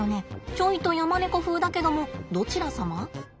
ちょいとヤマネコ風だけどもどちら様？